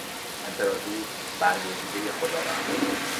امپراطور، برگزیدهی خداوند بود.